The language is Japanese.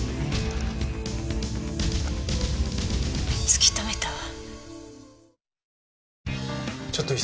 突き止めたわ。